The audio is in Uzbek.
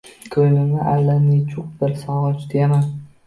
Ko‘nglimda allanechuk bir sog‘inch tuyaman